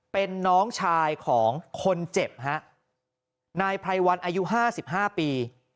เป็นน้องชายของคนเจ็บฮะนายพรายวันอายุห้าสิบห้าปี